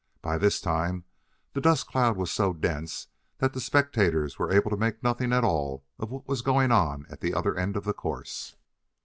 By this time the dust cloud was so dense that the spectators were able to make nothing at all of what was going on at the other end of the course.